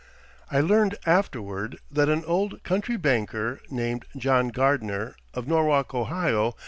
I learned afterward that an old country banker, named John Gardener, of Norwalk, O.